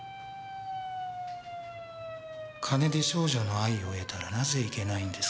金で少女の愛を得たらなぜいけないんですか？